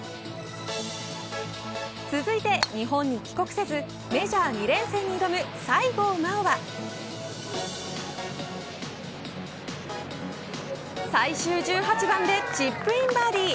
続いて日本に帰国せずメジャー２連戦に挑む西郷真央は最終１８番でチップインバーディー。